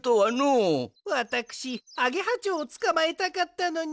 わたくしアゲハちょうをつかまえたかったのに。